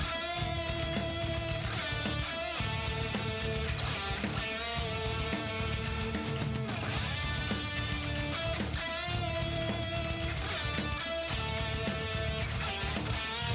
จังหวาดึงซ้ายตายังดีอยู่ครับเพชรมงคล